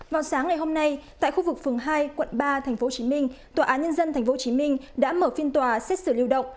vào sáng ngày hôm nay tại khu vực phường hai quận ba tp hcm tòa án nhân dân tp hcm đã mở phiên tòa xét xử lưu động